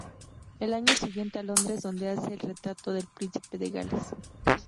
El año siguiente a Londres donde hace el retrato del Príncipe de Gales.